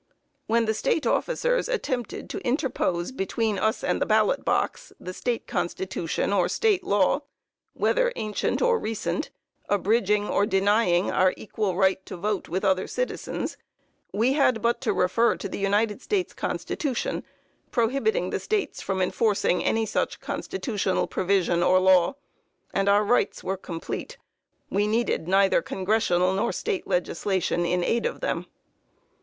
When the State officers attempted to interpose between us and the ballot box the State Constitution or State law, whether ancient or recent, abridging or denying our equal right to vote with other citizens, we had but to refer to the United States Constitution, prohibiting the States from enforcing any such constitutional provision or law, and our rights were complete; we needed neither Congressional nor State legislation in aid of them.